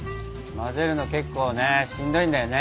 混ぜるの結構ねしんどいんだよね。